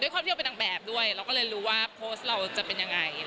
ความที่เราเป็นนางแบบด้วยเราก็เลยรู้ว่าโพสต์เราจะเป็นยังไง